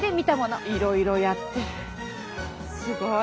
いろいろやってすごい。